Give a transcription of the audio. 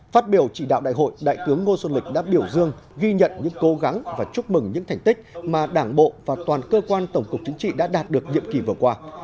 phát biểu chỉ đạo đại hội đại tướng ngô xuân lịch đã biểu dương ghi nhận những cố gắng và chúc mừng những thành tích mà đảng bộ và toàn cơ quan tổng cục chính trị đã đạt được nhiệm kỳ vừa qua